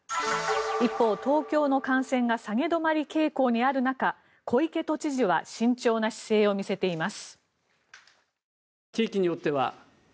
一方、東京の感染が下げ止まり傾向にある中小池都知事は慎重な姿勢を見せています。